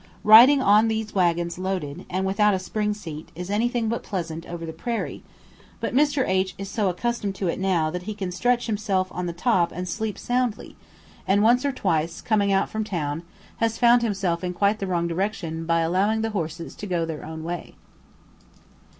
Riding on these waggons loaded, and without a spring seat, is anything but pleasant over the prairie, but Mr. H is so accustomed to it now that he can stretch himself on the top and sleep soundly; and once or twice, coming out from town, has found himself in quite the wrong direction by allowing the horses to go their own way.